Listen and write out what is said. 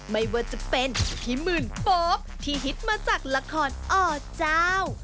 ไม่ว่าจะเป็นพี่หมื่นโป๊ปที่ฮิตมาจากละครอเจ้า